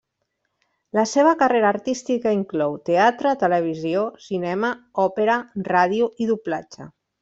La seva carrera artística inclou teatre, televisió, cinema, òpera, ràdio i doblatge.